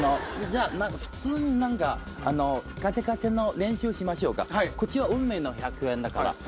普通にガチャガチャの練習しましょうか。こっちは運命の１００円だから。